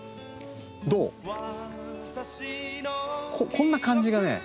こんな感じがね。